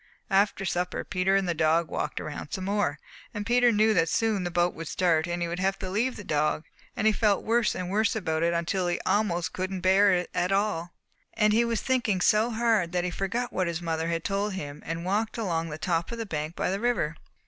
"After supper Peter and the dog walked around some more, and Peter knew that soon the boat would start and he would have to leave the dog and he felt worse and worse about it until he almost couldn't bear it at all. "And he was thinking so hard that he forgot what his mother had told him, and walked along the top of the bank by the river.